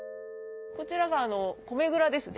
こちらが米蔵ですね。